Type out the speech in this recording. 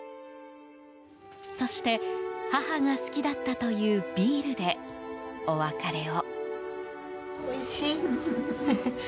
そして、母が好きだったというビールでお別れを。